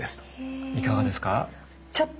いかがですか？